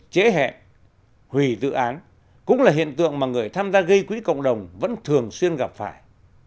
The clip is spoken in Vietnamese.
trễ hẹn hủy dự án cũng là hiện tượng mà người tham gia gây quỹ cộng đồng vẫn thường xuyên gặp phải